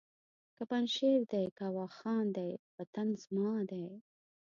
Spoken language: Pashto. که پنجشېر دی که واخان دی وطن زما دی!